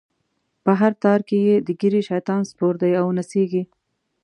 په هر تار کی یی د ږیری، شیطان سپور دی او نڅیږی